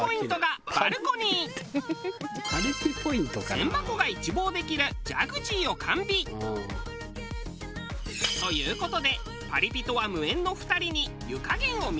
千波湖が一望できるジャグジーを完備。という事でパリピとは無縁の２人に湯加減を見てもらう。